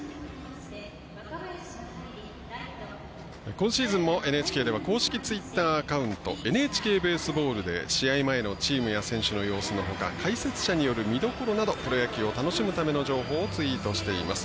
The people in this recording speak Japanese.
今シーズンも ＮＨＫ では公式ツイッターアカウント「ＮＨＫ ベースボール」で試合前のチームや選手の様子のほか、解説者による見どころなどプロ野球を楽しむための情報をツイートしています。